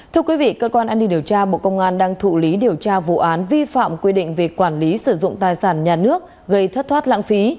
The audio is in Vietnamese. thưa quý vị cơ quan an ninh điều tra bộ công an đang thụ lý điều tra vụ án vi phạm quy định về quản lý sử dụng tài sản nhà nước gây thất thoát lãng phí